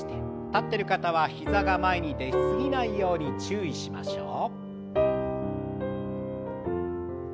立ってる方は膝が前に出過ぎないように注意しましょう。